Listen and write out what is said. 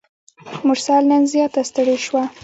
مرسل نن زیاته ستړي شوه.